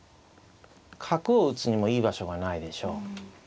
角を打つにもいい場所がないでしょう。